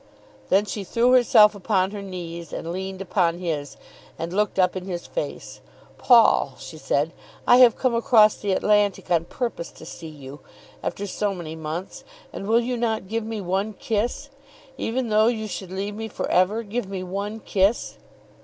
Then she threw herself upon her knees, and leaned upon his, and looked up in his face. "Paul," she said, "I have come again across the Atlantic on purpose to see you, after so many months, and will you not give me one kiss? Even though you should leave me for ever, give me one kiss."